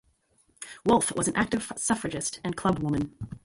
Wolfe was an active suffragist and clubwoman.